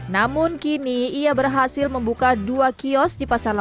namun kini ia berhasil membuka dua kios di pasar lama